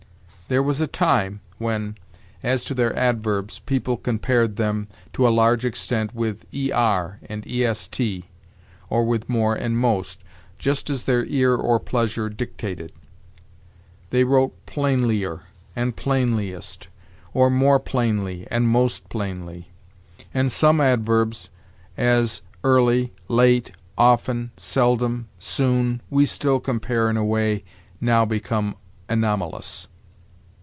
There was a time when, as to their adverbs, people compared them, to a large extent, with _ er_ and _ est_, or with more and most, just as their ear or pleasure dictated. They wrote plainlier and plainliest, or more plainly and most plainly; and some adverbs, as early, late, often, seldom, and soon, we still compare in a way now become anomalous.